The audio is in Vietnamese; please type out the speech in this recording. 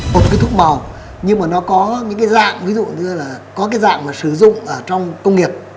một cái thuốc màu nhưng mà nó có những cái dạng ví dụ như là có cái dạng mà sử dụng ở trong công nghiệp